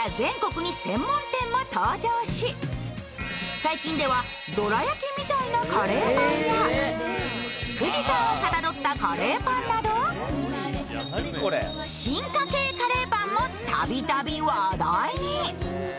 最近ではどら焼きみたいなカレーパンや、富士山をかたどったカレーパンなど進化系カレーパンもたびたび話題に。